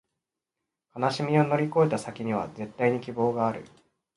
悲しみを乗り越えた先には、絶対に希望がある